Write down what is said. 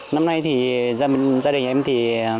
năm nay thì gia đình em thì